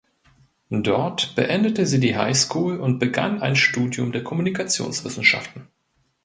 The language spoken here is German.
Dort beendete sie die High School und begann ein Studium der Kommunikationswissenschaften.